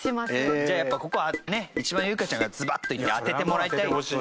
じゃあやっぱここはねユイカちゃんがズバッと言って当ててもらいたいよ。